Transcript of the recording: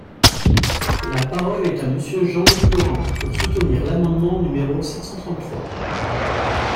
La parole est à Monsieur Jean-Luc Laurent, pour soutenir l’amendement numéro sept cent trente-trois.